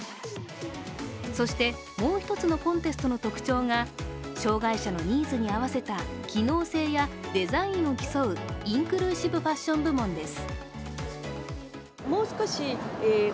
そしてもう一つのコンテストの特徴が、障害者のニーズに合わせた機能性やデザインを競うインクルーシブファッション部門です。